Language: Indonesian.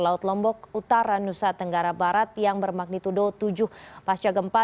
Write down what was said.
laut lombok utara nusa tenggara barat yang bermagnitudo tujuh pasca gempa